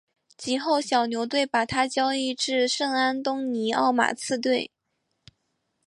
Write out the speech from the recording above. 及后小牛队把他交易至圣安东尼奥马刺队。